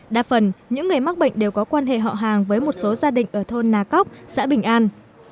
đa phần những người mắc bệnh đều có quan hệ họ hàng với một số gia đình ở thôn nà cóc xã bình an